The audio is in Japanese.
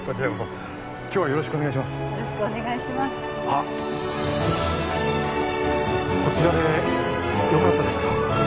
あっこちらでよかったですか？